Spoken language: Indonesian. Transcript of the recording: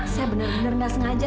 saya benar benar nggak sengaja